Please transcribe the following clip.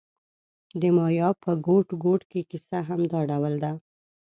د مایا په ګوټ ګوټ کې کیسه همدا ډول ده